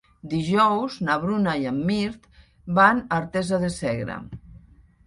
Dijous na Bruna i en Mirt van a Artesa de Segre.